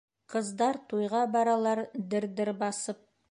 Ҡыздар туйға баралар дер-дер басып